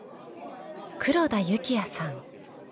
黒田幸也さん。